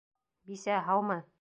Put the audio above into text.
Бисә, һаумы!